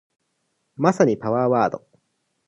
まさにパワーワード